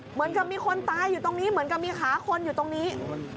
เหมือนกับมีคนตายอยู่ตรงนี้เหมือนกับมีขาคนอยู่ตรงนี้